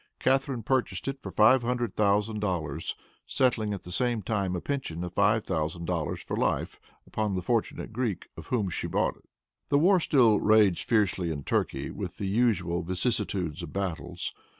Catharine purchased it for five hundred thousand dollars, settling at the same time a pension of five thousand dollars for life, upon the fortunate Greek of whom she bought it. The war still raged fiercely in Turkey with the usual vicissitudes of battles.